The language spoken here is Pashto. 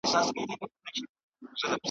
هره زرکه زما آواز نه سی لرلای .